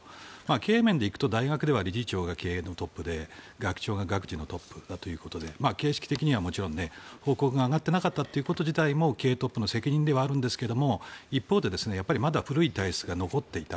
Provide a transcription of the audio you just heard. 経営面で行くと大学では理事長が経営のトップで学長が学事のトップだということで形式的にはもちろん、報告が上がっていなかったこと自体も経営トップの責任ではあるんですが一方で、まだ古い体質が残っていた。